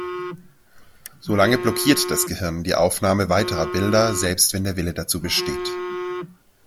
Solange blockiert das Gehirn die Aufnahme weiterer Bilder, selbst wenn der Wille dazu besteht.